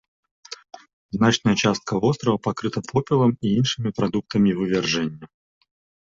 Значная частка вострава пакрыта попелам і іншымі прадуктамі вывяржэння.